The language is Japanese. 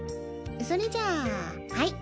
それじゃあハイ！